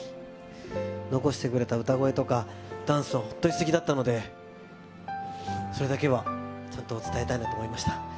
残してくれた歌声とか、ダンスは本当にすてきだったので、それだけはちゃんと伝えたいなと思いました。